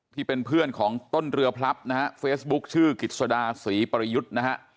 ที่เป็นเพื่อนของต้นเรือพลับนะฮะเฟซบุ๊คชื่อกิจสดาศรีปริยุทธ์นะฮะ